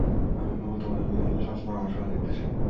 আমি কেবল তোমাদের দুজনকে সবসময় আমার সামনে দেখতে চাই।